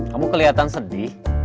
kamu kelihatan sedih